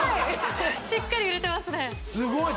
しっかり揺れてますね